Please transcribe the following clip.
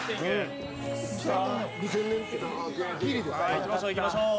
いきましょういきましょう。